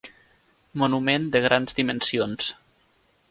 Monument de grans dimensions.